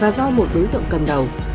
và do một đối tượng cầm đầu